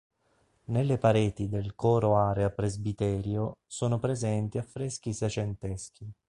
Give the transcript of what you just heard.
Nelle pareti del coro area presbiterio sono presenti affreschi secenteschi.